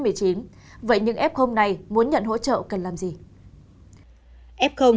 vậy nhưng f này muốn nhận hỗ trợ cần làm gì